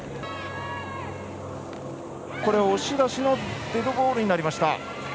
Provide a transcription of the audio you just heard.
押し出しのデッドボールになりました。